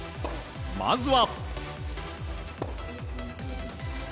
まずは。